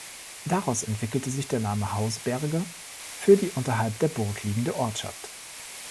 Daraus entwickelte sich der Name Hausberge für die unterhalb der Burg liegende Ortschaft.